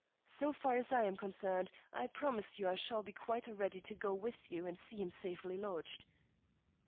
So far as I am concerned, I promise you I shall be quite ready to go with you and see him safely lodged."